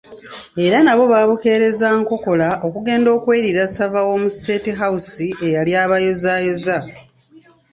Era nabo baabukereza nkokola okugenda okweriila savva w’omu State House eyali abayozaayoza.